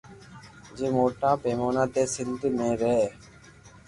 جي موٽا پيمونا تي سندھ مي رھي